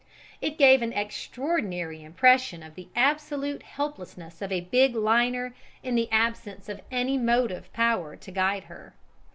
It gave an extraordinary impression of the absolute helplessness of a big liner in the absence of any motive power to guide her.